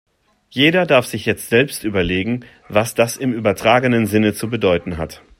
Jeder darf sich jetzt selbst überlegen, was das im übertragenen Sinne zu bedeuten hat.